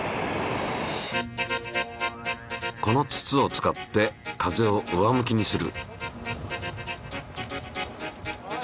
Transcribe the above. このつつを使って風を上向きにする。